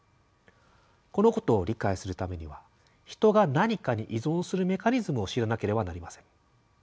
このことを理解するためには人が何かに依存するメカニズムを知らなければなりません。